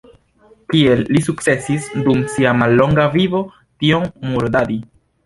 Kiel li sukcesis dum sia mallonga vivo tiom murdadi?